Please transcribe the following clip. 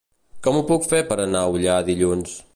Com ho puc fer per anar a Ullà dimarts?